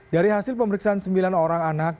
dari hasil pemeriksaan sembilan orang anak